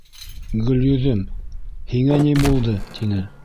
— Гөлйөҙөм, һиңә ни булды?.. — тине.